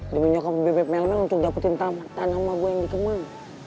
dengan nyokap bebet melmel untuk dapetin tanah emak gue yang dikeman